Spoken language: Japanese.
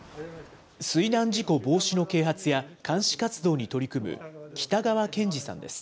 水難事故防止の啓発や監視活動に取り組む北川健司さんです。